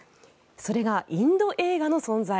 それがインド映画の存在。